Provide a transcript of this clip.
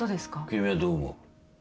君はどう思う？